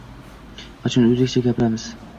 Qachon o‘zbekcha gapiramiz?